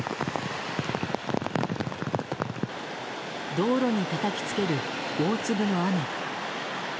道路にたたきつける大粒の雨。